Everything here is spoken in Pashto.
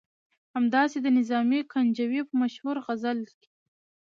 همداسې د نظامي ګنجوي په مشهور غزل کې.